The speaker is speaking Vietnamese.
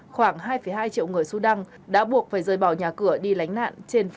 khoảng hai hai triệu người sudan đã buộc phải rơi bỏ nhà cửa đi lánh nạn